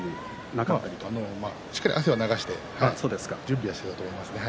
しっかり汗を流して準備はしていたと思います。